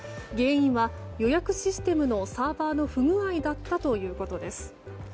原因は予約システムのサーバーの不具合だったということです。